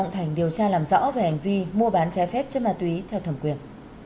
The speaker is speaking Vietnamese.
tra làm rõ về hành vi mua bán trái phép chất ma túy theo thẩm quyền